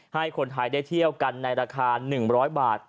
ให้คนไทยได้เที่ยวกันในราคา๑๐๐บาท